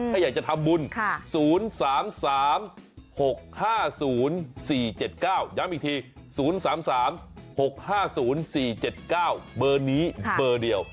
ถ้าอยากจะทำบุญ๐๓๓๖๕๐๔๗๙ย้ำอีกที๐๓๓๖๕๐๔๗๙เบอร์นี้เบอร์เดียว